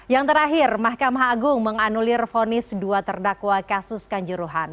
yang terakhir mahkamah agung menganulir fonis dua terdakwa kasus kanjuruhan